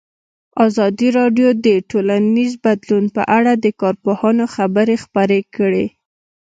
ازادي راډیو د ټولنیز بدلون په اړه د کارپوهانو خبرې خپرې کړي.